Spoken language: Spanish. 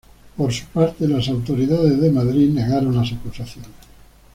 Por su parte, autoridades de Madrid negaron las acusaciones.